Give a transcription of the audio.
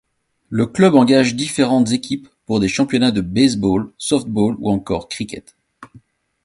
Le club engage différentes équipes pour des championnats de baseball, softball ou encore cricket.